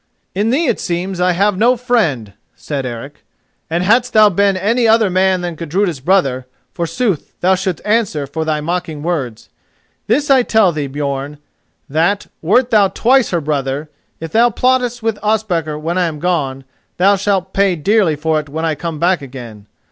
"In thee, it seems, I have no friend," said Eric, "and hadst thou been any other man than Gudruda's brother, forsooth thou shouldst answer for thy mocking words. This I tell thee, Björn, that, wert thou twice her brother, if thou plottest with Ospakar when I am gone, thou shalt pay dearly for it when I come back again.